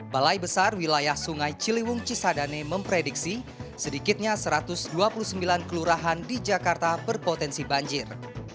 balai besar wilayah sungai ciliwung cisadane memprediksi sedikitnya satu ratus dua puluh sembilan kelurahan di jakarta berpotensi banjir